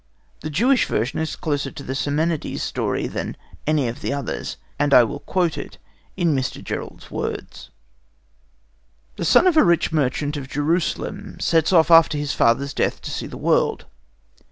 The Jewish version is closer to the Simonides story than any of the others, and I will quote it in Mr. Gerould's words. "The son of a rich merchant of Jerusalem sets off after his father's death to see the world.